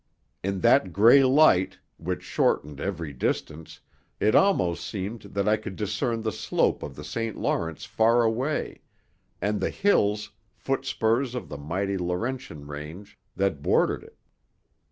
In that grey light, which shortened every distance, it almost seemed that I could discern the slope of the St. Lawrence far away, and the hills, foot spurs of the mighty Laurentian range, that bordered it.